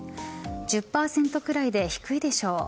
１０％くらいで低いでしょう。